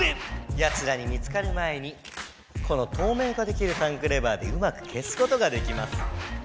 やつらに見つかる前にこのとうめいかできるタンクレバーでうまくけすことができます。